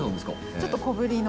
ちょっと小ぶりの。